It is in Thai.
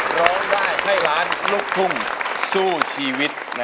ร้องได้ให้ล้านลูกทุ่งสู้ชีวิต